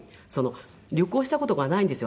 旅行した事がないんですよ